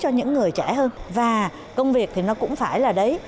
cho những người trẻ hơn và công việc thì nó cũng phải là đấy